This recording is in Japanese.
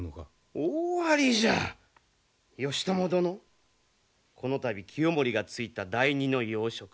大ありじゃ義朝殿この度清盛が就いた大弐の要職